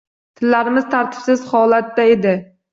Tillarimiz tartibsiz holatda edi